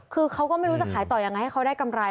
คือเขาก็ไม่รู้จะขายต่อยังไงให้เขาได้กำไร